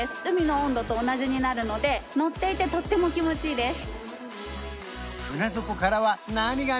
海の温度と同じになるので乗っていてとっても気持ちいいです